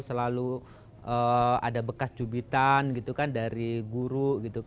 selalu ada bekas jubitan dari guru